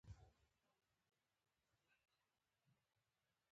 مازیګر چې ملا ساراګشت ته روان وو ناڅاپه د مطلوبې ښځې خاوند راغی.